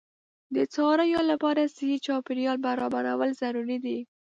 د څارویو لپاره صحي چاپیریال برابرول ضروري دي.